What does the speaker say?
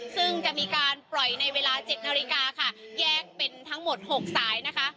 ซึ่งจะมีการปล่อยในเวลา๗นาฬิกาค่ะแยกเป็นทั้งหมด๖สายนะคะ